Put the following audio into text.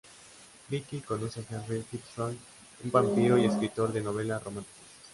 Vicki conoce a Henry Fitzroy, un vampiro y escritor de novelas románticas.